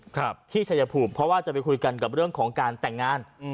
ครับที่ชายภูมิเพราะว่าจะไปคุยกันกับเรื่องของการแต่งงานอืม